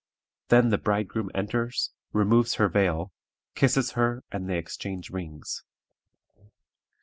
Then the bridegroom enters, removes her veil, kisses her, and they exchange rings.